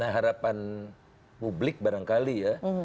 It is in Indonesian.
harapan publik barangkali ya